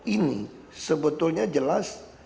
ini sebetulnya jelas